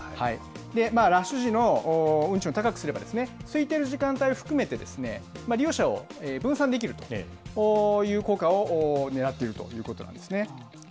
ラッシュ時の運賃を高くすれば、空いてる時間帯を含めて、利用者を分散できるという効果をねらっているということなんですね。